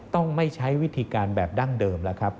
ต้องไม่ใช้วิธีการแบบดั้งเดิมแล้วครับ